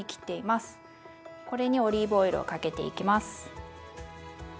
これにオリーブオイルをかけていきます。